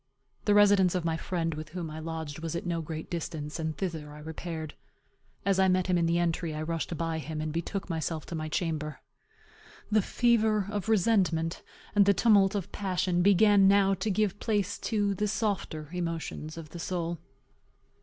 The residence of my friend, with whom I lodged, was at no great distance, and thither I repaired. As I met him in the entry, I rushed by him, and betook myself to my chamber. The fever of resentment and the tumult of passion began now to give place to the softer emotions of the soul.